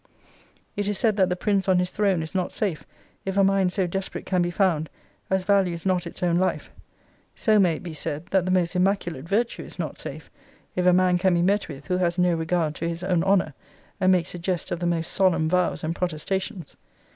It is said that the prince on his throne is not safe, if a mind so desperate can be found, as values not its own life. So may it be said, that the most immaculate virtue is not safe, if a man can be met with who has no regard to his own honour, and makes a jest of the most solemn vows and protestations.